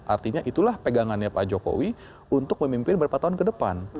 artinya itulah pegangannya pak jokowi untuk memimpin beberapa tahun ke depan